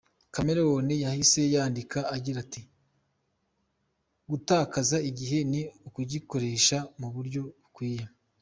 Chameleone yahise yandika agira ati, “gutakaza igihe ni ukugikoresha mu buryo bukwiye.